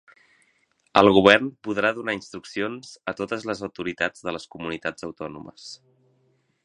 El govern podrà donar instruccions a totes les autoritats de les comunitats autònomes.